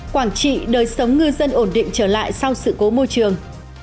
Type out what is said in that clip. quảng trị đời sống ngư dân ổn định trở lại sau sự cố môi trường